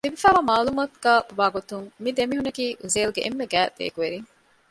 ލިބިފައިވާ މަޢުލޫމާތުގައި ވާގޮތުން މި ދެމީހުންނަކީ އުޒޭލްގެ އެންމެ ގާތް ދެއެކުވެރިން